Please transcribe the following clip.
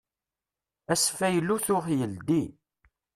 Asfaylu tuɣ yeldi.